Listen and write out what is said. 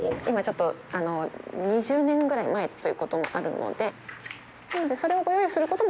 今ちょっと２０年ぐらい前という事もあるので。